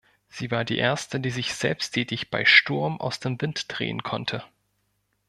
Sie war die erste, die sich selbsttätig bei Sturm aus dem Wind drehen konnte.